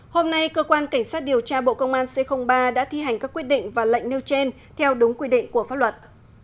hôm nay cơ quan cảnh sát điều tra bộ công an c ba đã thi hành các quyết định và lệnh nêu trên theo đúng quy định của pháp luật